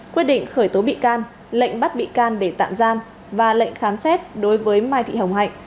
quyết định khởi tố bị can lệnh bắt bị can để tạm giam và lệnh khám xét đối với mai thị hồng hạnh